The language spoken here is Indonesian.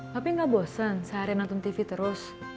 tapi gak bosen seharian nonton tv terus